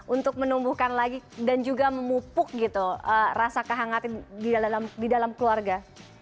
untuk menumbuhkan lagi dan juga memupuk gitu rasa kehangatan di dalam keluarga